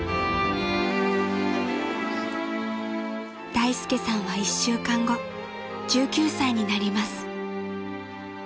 ［大介さんは１週間後１９歳になります］